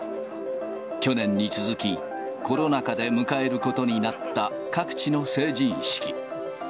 去年に続き、コロナ禍で迎えることになった各地の成人式。